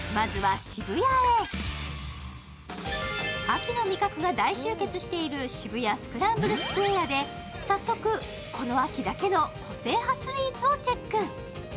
秋の味覚が大集結している渋谷スクランブルスクエアで、早速、この秋だけの個性派スイーツをチェック。